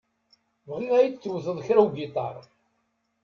Bɣiɣ ad yi-d-tewteḍ kra ugiṭar.